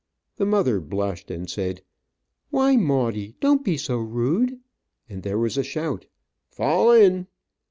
The mother blushed and said, "Why, Maudie, don't be so rude;" and there was a shout: "Fall in!"